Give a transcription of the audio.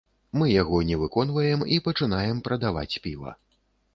Мы яго не выконваем і пачынаем прадаваць піва.